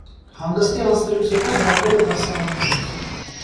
Հանգստի անցնելուց հետո զբաղվել է դասվանդելով։